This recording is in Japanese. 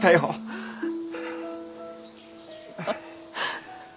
あっ。